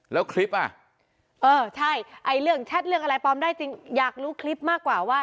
แล้วคลิปอ่ะใช่แชทเรื่องอะไรปลอมได้จริงอยากรู้คลิปมากกว่าว่า